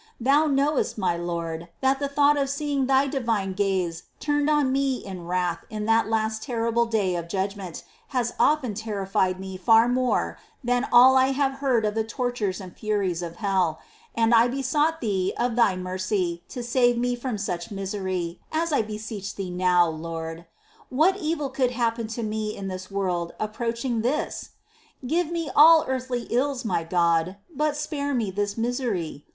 Thou knowest, my Lord, that the thought of seeing Thy divine gaze turned on me in wrath in that last terrible day of judgment has often terriñed me far more than all I have heard of the tortures and furies of hell,^ and I besought Thee of Thy mercy to save me from such misery, as I beseech Thee now, Lord ! What evil could happen to me in this world approaching this ? Give me all earthly ills, my God, but spare me this misery